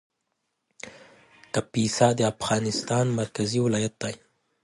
کاپیسا هم د افغانستان مرکزي ولایت دی